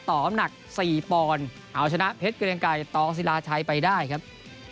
ตอบหนักสี่ปอนเอาชนะเพชรเกรงไกรต่อศิลาไทยไปได้ครับ